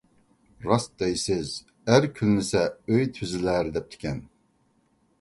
راست دەيسىز. «ئەر كۈنلىسە ئۆي تۈزىلەر» دەپتىكەن.